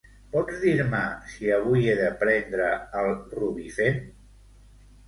Pots dir-me si avui he de prendre el Rubifen?